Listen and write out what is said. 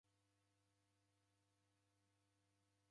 Naw'idederia